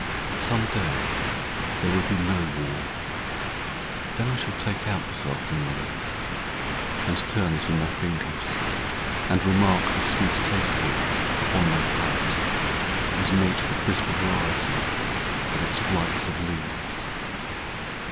Some day there will be no war, Then I shall take out this afternoon And turn it in my fingers, And remark the sweet taste of it upon my palate, PICTURES OF THE FLOATING WORLD 245 And note the crisp variety of its flights of leaves.